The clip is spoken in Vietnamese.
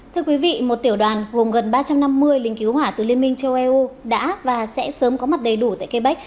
thưa quý vị một tiểu đoàn gồm gần ba trăm năm mươi lính cứu hỏa từ liên minh châu âu đã và sẽ sớm có mặt đầy đủ tại quebec